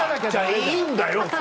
いいんだよ